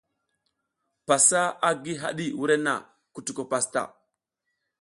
Pasa a gi haɗi wurenna, kutuko pasta.